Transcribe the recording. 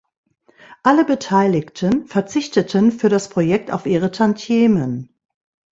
Alle Beteiligten verzichteten für das Projekt auf ihre Tantiemen.